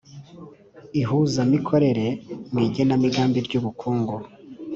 ihuzamikorere mu igenamigambi ry'ubukungu,